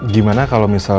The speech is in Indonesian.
gimana kalau misalnya